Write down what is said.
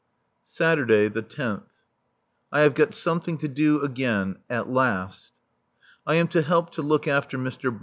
[Saturday, 10th.] I have got something to do again at last! I am to help to look after Mr.